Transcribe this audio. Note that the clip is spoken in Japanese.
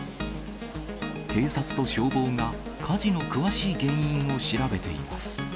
警察と消防が火事の詳しい原因を調べています。